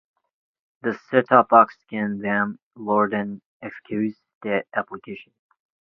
The set-top box can then load and execute the application.